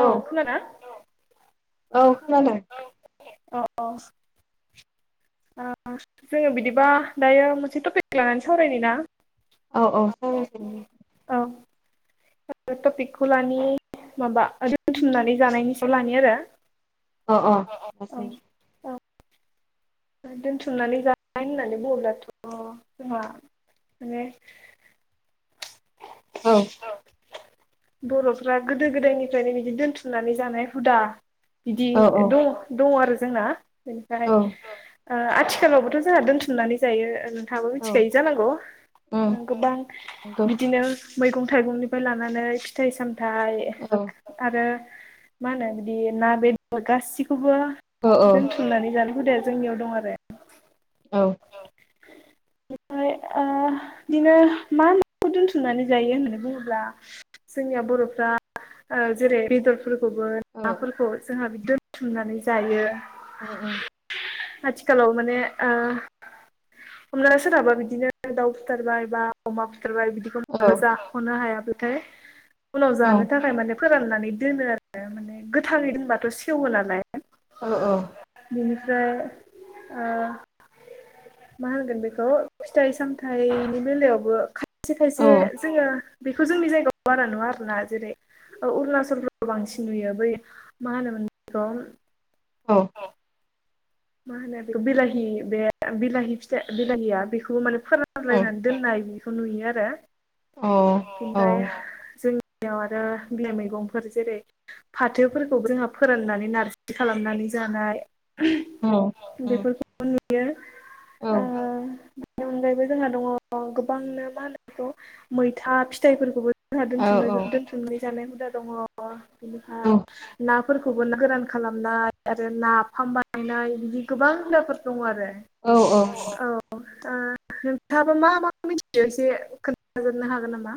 औ खोनाना औ खोनादों। अ अ ओ ओ जोङो बिदिबा दायो मोनसे टपिक लानानै सावरायनि ना औ औ औ [inaudible] टपिकखौ लानि माबा दोनथुमनानै जानायनि सायाव लानि आरो अ अ दोन्थुमनानै जायनाय होननानै बुङोब्लाथ जोंहा माने औ बरफ्रा गोदो गोदायनिफ्रायनो बिदि दोनथुमनानै जानाय हुदा बिदि औ औ दङ दङ आरो जोंना बेनिफाय औ ओ आथिखालावबोथ जोंहा दोनथुमनानै जायो ओ थाङाबो औ मिथिखायो जानांगौ उम गोबां नंगौ बिदिनो मैगं थाइगंनिफाय लानानै फिथाइ सामथाइ औ आरो मा होनो बि ना बेदर गासिखौबो औ औ दोनथुमनानै जानो हुदाया जोंनियाव दं आरो औ ओफाय ओ बिदिनो मा होनो खौ दोनथुमनानै जायो होननानै बुङोब्ला जोंनिया बरफ्रा ओ जेरै बेदर फोरखौबो औ नाफोरखौ जोंहा दोनथुमनानै जायो अ औ आथिखालाव माने ओ हमना सोरहाबा बिदिनो दाउ फुथारबाय बा अमा फु थारबाय बिदिखौ औ माबा जा खनो हायाबाथाय उनाव औ जानो थाखाय माने फोराननानै दोनो आरो माने गोथाङै दोनबाथ सेवो नालाय औ औ बेनिफ्राय ओ मा होनगोन बेखौ फिथाइ सामथाइनि बेलायावबो खाथि खायसे औ उम जोङो बेखौ जोंनि जायगायाव बारा नुवा आरो ना जेरै अरुणाचलफ्राव बांसिन नुयो बै मा होनोमोन बेखौ औ मा होनो बेखौ बिलाहि बे बिलाहि फिथाइ बिलाहिया बेखौ माने फोरानलायनानै दोननाय बेखौ नुयो आरो औ ओमफ्राय उम जों बेयाव आरो बिलाइ मैगंफोर जेरै फाथोफोरखौ जोंहा फोराननानै नारजि खालामनानै जानाय औ औ बियो औ ओ बेनि अनगायैबो जोंहा दङ गोबांनो मा होनो बेखौ मैथा फिथाइफोरखौबो जोहा दोनथुमनो दोनथुमनाय जानाय हुदा दङ बिनिफ्राय ना फोरखौबो ना गोरान खालामनाय आरो नाफाम बायनाय बिदि गोबां हुदाफोर दङ आरो औ औ ओ नोंथाङाबा मा मा मिथियो एसे खोन्थाजोबनो हागोन नामा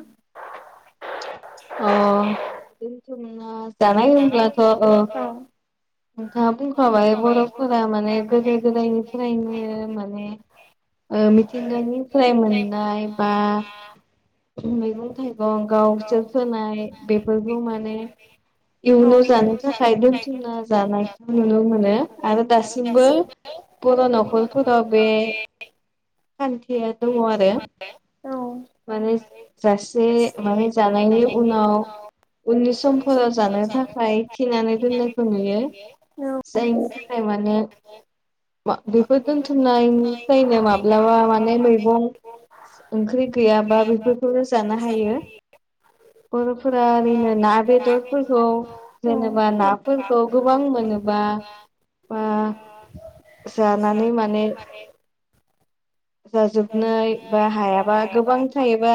अ बिदिथ नोङो जानाय होमब्लाथ ओ औ नोंथाङा बुंखाबाय बरफोरा माने गोदो गोदायनिफ्रायनो माने ओ मिथिंगानिफ्राय मोननाय बा मैगं थाइगं गावसोर फोनाय बेफोरखौ माने औ इयुनाव जानो थाखाय दोनथुमना जानायखौ नुनो मोनो आरो दासिमबो बर नखरफोराव बे खान्थिया दङ आरो औ माने जासे माने जानायनि उनाव उननि समफोराव जानो थाखाय थिनानै दोननायखौ नुयो जायनि थाखाय माने बेफोर दोनथुमनायनिफ्रायनो माब्लाबा माने मैगं ओंख्रि गैयाबा बेफोरखौनो जानो हायो बरफोरा ओरैनो ना बेदर फोर खौ औ जेनेबा नाफोरखौ गोबां मोनोबा बा जानानै माने जाजोबनाय बा हायाबा गोबां थायोबा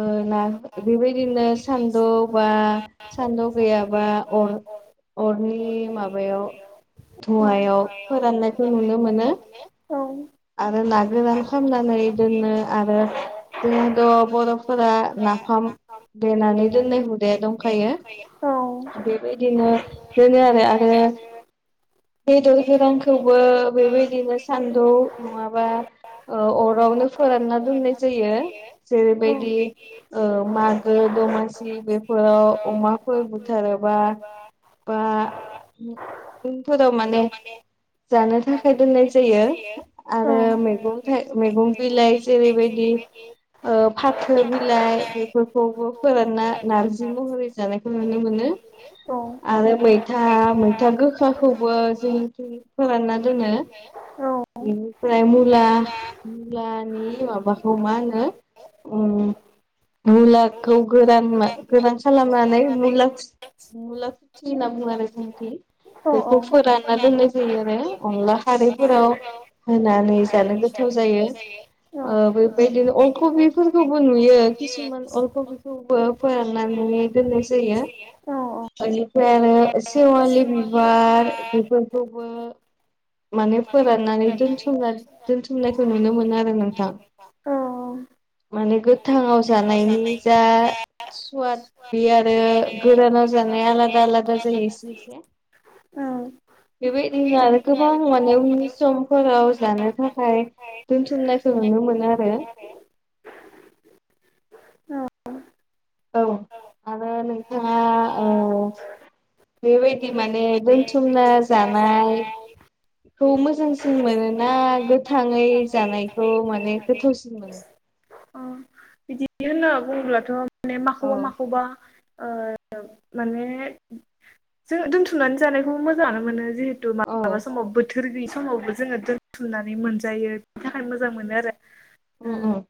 ओ ना बेबायदिनो सान्दौ बा सान्दौ गैयाबा अर अरनि माबायाव धुवायाव फोराननायखौ नुनो मोनो आरो नाग गोरान खालामनानै दोनो आरो जोंथ बरफोरा नाफाम देनानै दोननाय हुदाया दंखायो बेबायदिनो दोनो आरो आरो आरो बेदर गोरानखौबो बेबायदिनो सान्दुं नङाबा औ अरावनो फोरानना दोननाय जायो जेरैबायदि दि ओ मागो दमासि बेफोराव अमाफोर बुथारोबा बा उनफोराव माने जानो थाखाय दोननाय जायो आरो औ मेगं थाइ मेगं बिलाइ जेरैबायदि ओ फाथो बिलाइ बेफोरखौबो फोरानना नारजि महरै जानायखौ नुनो मोनो औ आरो मैथा मैथा गोखाखौबो जोंनिथिं फोरानना दोनो बेनिफ्राय मुला मुलानि माबाखौ मा होनो ओ मुलाखौ गोरान मा गोरान खालामनानै मुला मुला खुथि होनना बुङो आरो जोंनिखि औ औ बेखौ फोरानना दोननाय जायो आरो बिदि अनला खारैफोराव होनो जानो गोथाव जायो ओ बेबायदिनो अललकबि फोरखौबो नुयो किसुमान अल कबिखौबो फोराननानै दोननाय जायो ओनिफ्राय आरो सेवालि बिबार बेफोरखौबो माने फोराननानै दोनस दोनथुमनायखौ नुनो मोनो आरो नोंथां माने गोथाङाव जानायनि जा सुवाद बे आरो गोरानाव जानाय आलादा आलादा जायो एसे एसे बेबायदिनो आरो गोबां माने उननि समफोराव जा नो थाखाय दोनथुमनायखौ नुनो मोनो आरो औ औ आरो नोंथाङा औ बेबायदि माने दोनथुमना जानाय खौ मोजांसिन मोनोना गोथाङै जानायखौ माने गोथावसिन मोनो [inaudible] होनना बुङोब्लाथ माने औ माखौबा माखौबा ओ माने जों दोनथुमनानै जानायखौ मोजाङानो मोनो जिहेतु तु औ माब्लाबा समाव बोथोर गैयि समावबो जोङो दोनथुमनानै मोनजायो बिनि थाखायनो मोजां मोनो आरो ओम उम ओम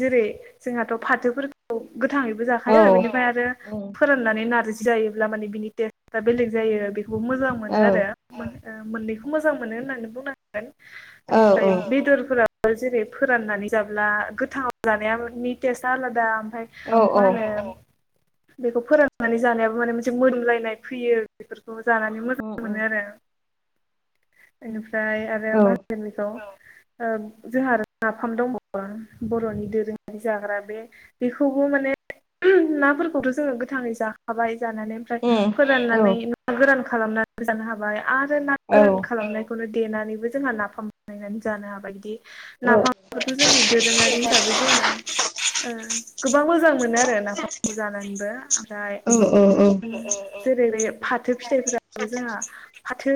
जेरै जोंहाथ' फाथोफोरखौ गोथाङैबो औ जाखायो बेनिफाय आरो उम फोराननानै नारजि जायोब्ला माने बिनि टेस्टआ बेलेग जायो बेखौबो मोजां मोनो औ आरो मोनो ओ मोननैखौ मोजां मोनो होननानै बुंनांगोन औ बेनिफ्राय बेदरफोराव जेरै फोराननानै जाब्ला गोथांयाव जानाया नि टेस्ट आ आलादा आमफाय औ मा औ होनो बेखौ फोरानानै जानायाबो माने मोनसे मोदोमलायनाय फैयो बेफोर खौ जानानै मोजां उम मोनो उम आरो बेनिफ्राय आरो औ मा होनगोन बेखौ ओ जोंहा आर नाफाम दंबावो बर'नि दोरोङारि जाग्रा बे बेखौबो माने नाफोरखौथ' जोङो गोथाङै जाखाबाय जानानै ओमफ्राय उम औ फोराननानै ना गोरान खालामना बो जानो हाबाय आरो ना औ गोरान खालामनायखौनो देनानैबो जोंहा नाफाम बानायनानै जानो हाबाय बिदि औ नाफामखौथ' जोंनि दोरोङारि हिसाबै जोङो ओ गोबां मोज मोनो आरो नाफामखौ जानानैबो आमफ्राय औ औ जेरै बे फाथो फिथाइफोराबो जोंहा फाथो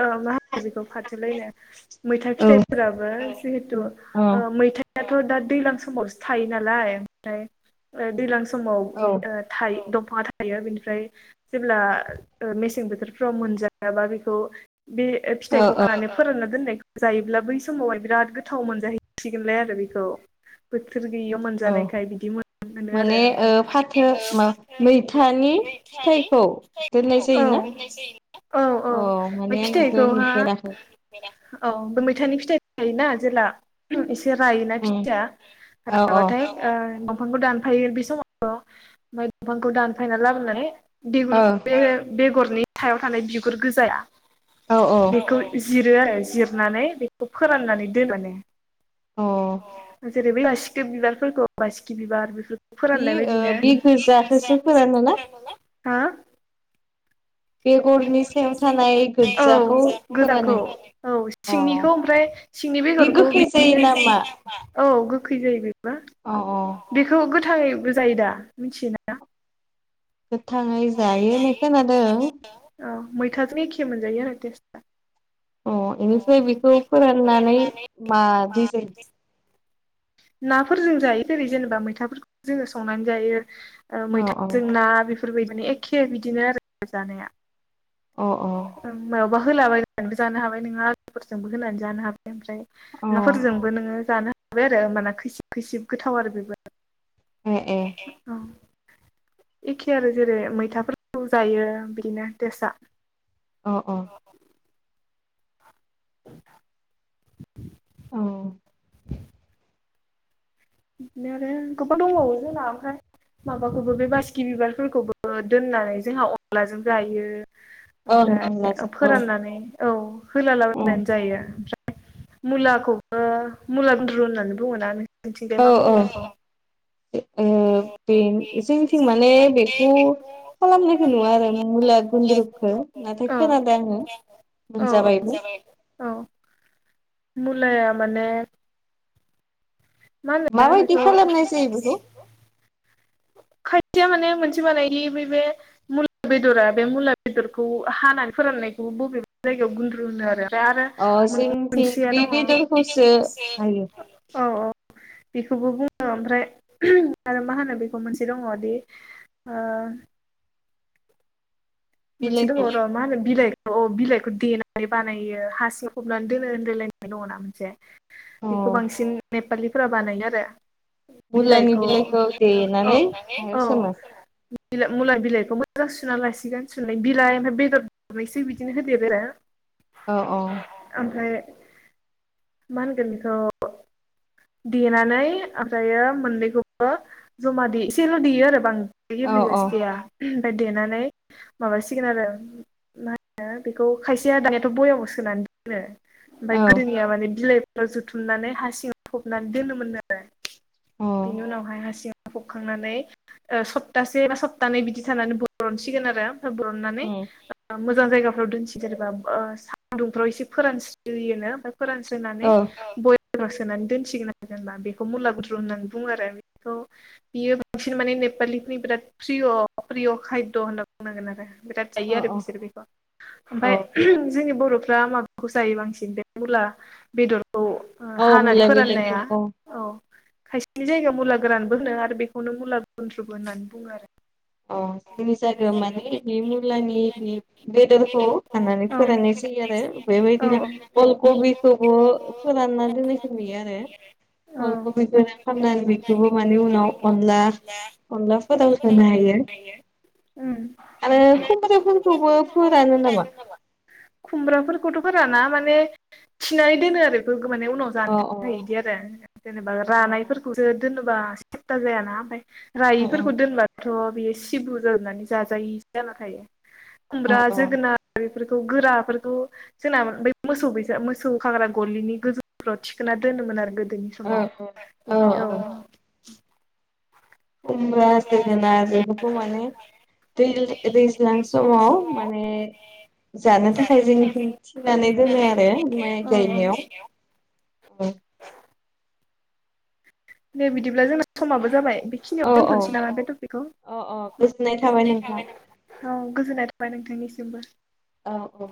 ओ मा होनो बेखौ फाथोलायनो मैथा फिथाइफोराबो जिहेथु ओ मैथाया थ' दा दैलां समावसो थायो नालाय आमफ्राय ओ दैलां समाव ओ थायो दब फा थायो बिनिफ्राय जेब्ला ओ मेसें बोथोरफ्राव मोनजायाबा बेखौ बे ओ औ औ फिथाइखौ खानानै फोरानना दोननायखौ जायोब्ला बै समावहाय बिराद गोथाव मोनजाहैसिगोनलै आरो बेखौ बोथोर थोर गैयियाव औ औ मोनजानायखाय बिदि मोन माने ओ फाथो मा मैथानि फिथाइखौ दोननाय जायो औ। औ औ ओमफाय आं इखो फिथाइखौ हा नुफेराखै औ बे मैथानि फिथाइ थायोना जेला एसे रायोना उम फिथाया औ राबाथाय ओ दंफांखौ दानफायो बे समावथ' आमफाय दंफांखौ दानफायना लाबोनानै बेगुर ओ बे बेगरनि थायाव थानाय बिगुर गोजाया औ औ बेखौ जिरो आरो जिरनानै बेखौ फोराननानै दोनो माने। अ जेरै बे बासिखो बिबारफोरखौ बासिखि बिबार बेफोर बि फोराननाय ओ बायदिनो। बि गोजाखौसो फोरानो ना हा? बेगरनि सायाव थानाय औ गोजाखौ गोजाखौ फोरानो औ अ सिंनिखौ ओमफ्राय सिंनि बे बेगरखौ गोखै जायो बिदिनो नामा औ गोखै जायो बेबो। औ औ। बेखौ गोथाङै बो जायो दा। मिनथियो ना? गोथाङै जायो होननाय खोनादों औ मैथाजों एखे मोनजायो आरो टेस्टआ। अ इनिफ्राय बेखौ फोराननानै मादि जायो? नाफोरजों जायो जेरै जेनेबा मैथाफोरखौ जोङो संनानै जायो। ओ अ अ मैथाजों ना बेफोरबायदिनो एखे बिदिनो आरो जानाया। अ अ। बहा होलाबायनानैबो जानो हाबाय नोङो आलुफोरजोंबो होनानै जानो हाबाय ओमफ्राय अ नाफोरजोंबो नोङो जानो हाबाय आरो होमबाना खैसिब खैसिब गोथाव आरो बेबो। ए ए औ। एखे आरो जेरै मैथाफोरखौ जायो बिदिनो टेस्टया। अ अ। [inaudible] औ। बिदिनो आरो गोबां दंबावो जोंना ओमफ्राय माबाखौबो बे बासिखि बिबारफोरखौबो दोननानै जोंहा अनलाजों जायो। ओं ओमफ्राय अनलाजों औ फोराननानै औ होलालाबायनानै जायो ओमफ्रा मुलाखौबो मुला गुन्द्रु होननानै बुङोना नों नोंसोरनिथिंजाय औ मा बुङो बेखौ ओ बे जोंथिं माने बेखौ खालामनायखौ नुवा आरो मुला गुन्द्रुखौ नाथाय औ खोनादो आङो औ औ मोनजाबायबो औ [inaudible] मुलाया माने मा होनो माबायदि बेखौ खालामनाय जायो बेखौ खायसेया माने मोनसे बानायो बे मुला बेदरा बे मुला बेदरखौ हानानै फोरान खौबो बबेबा जायगायाव गुन्द्रु होनो आरो आरो अ जोंथिं मोनसेया बे दङ बेदरखौसो हायो औ औ बेखौबो बुङो ओमफ्राय आरो मा होनो बे मोनसे दङदि मोनसे दङ बिलाइखौ र' मा होनो बिलाइखौ बिलाइखौ देनानै बानायो हासि खबनानै दोनो होनलायलायनाय दङ ना मोनसे अ बेखौ बांसिन नेपालिफोरा बानायो आरो मुलानि बिलाइखौ औ देनानै हायाव औ सोमो मुला बिलाइखौ मो मोजां सुना लासिगोन सुनाय बिलाइ ओमफ्राय बेदर दरनोसै बिदिनो होदेरो आरो औ औ ओमफ्राय मा होनगोन बेखौ देनानै ओमफ्रायो मोननैखौबो जमा देयो एसेल' देयो आरोबा देयो औ गेब्लेजासो देया ओमफ्राय देनानै माबासिगोन आरो मा होनो बेखौ खायसेया दानियाथ' बयमाव सोनानै दोनो औ ओमफफ्राय गोदोनिया माने बिलाइफोराव जुथुमनानै हा सिङाव फबनानै दोनोमोननो आरो अ बिनि उम उनावहाय हासिंआव फबखांनानै सप्तासे बा सप्तानै बिदि थानानै बरनसिगोन आरो हाब्रनानै मोजां जायगाफ्राव दोनसै जेनेबा सान्दुंफ्राव एसे फोरानस्रियोनो ओमफ्राय [inaudible] सोनानै औ दोनसिगोन आरो जेनबा बेखौ मुला गुन्द्रु होननानै बुङो आरो बेखौ बियो बांसिन माने नेपालिनि बिराद प्रिअ खायद' होनना बुंनांगोन आरो बिराद अ जायो आरो बिसोर बेखौ ओमफ्राय औ जोंनि बर'फ्रा माबाखौ जायो बांसिन बे मुला बेदर औ औ हानानै मुला बेदरखौ फोराननाया औ खायसेनि जायगा मुला गोरानबो होनो आरो बेखौनो मुला गुन्द्रुबो होन्नानै बुङो आरो अ माने बे मुलानि बे बेदरखौ हाननानै औ फोराननाय जायो आरो बेबायदिनो औ अल कबिखौबो फोरानना दोननायखौ नुयो आरो औ अल कबिखौ गोरान खालामनानै बेखौबो माने उनाव अनला अनला फोराव होनो हायो उम आरो खुमब्राफोरखौबो फोरानो नामा खुमब्राफोरखौथ' फोराना माने थिनानै दोनो आरो बे माने उनाव जानो अ अ थाखाय बिदि आरो जेनेबा अ रानायफोरखौसो सेप्ता जायाना रायिफोरखौ दोनबाथ' बियो सिबुट दोननानै जाजायि जाना थायो अ खुमब्रा ओ जोगोनार फोरखौ गोराफोरखौ जोंना मोसौ बैसां मोसौ खाग्रा गलिनि गोजौफ्राव थिखोना दोनो होनोमोन आरो गोदोनि ओ समाव बिदि औ औ खुमब्रा जोगोनार आरो बेफोरखौ माने दै दैज्लां समाव माने जानो थाखाय जों थिनानै दोनो आरो माइ औ गायनायाव औ दे बिदिब्ला जोंना समाबो जाबाय। औ बेखिनियाव औ दोनथ'नोसै नामा बे टपिकखौ औ गोजोन्नाय थाबाय। ओमफाय नोंथांनिसिमबो। औ औ।